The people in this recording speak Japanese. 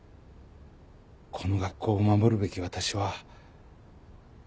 この学校を守るべき私は。